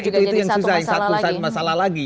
itu juga jadi satu masalah lagi